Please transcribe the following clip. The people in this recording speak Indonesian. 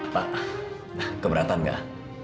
pak keberatan nggak